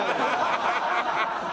ハハハハ！